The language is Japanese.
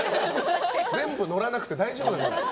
全部乗らなくて大丈夫なのよ。